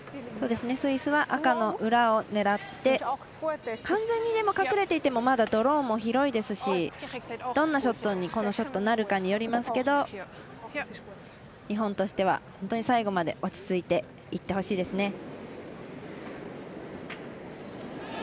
スイスは赤の裏を狙って、完全に隠れていてもまだドローも広いですしどんなショットにこのショットなるかによりますけど日本としては本当に最後まで落ち着いていってほしいですね。